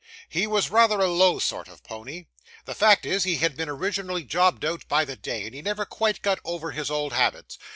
'He was rather a low sort of pony. The fact is, he had been originally jobbed out by the day, and he never quite got over his old habits.